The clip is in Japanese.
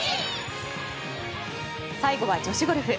最後は女子ゴルフ。